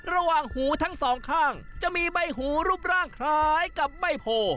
หูทั้งสองข้างจะมีใบหูรูปร่างคล้ายกับใบโพ